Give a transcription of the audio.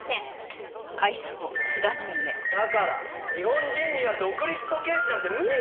『カノン』だから日本人には独立時計師なんて無理なんですよ。